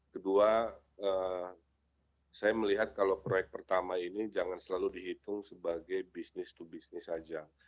kedua saya melihat kalau proyek pertama ini jangan selalu dihitung sebagai bisnis to bisnis saja